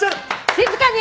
静かに！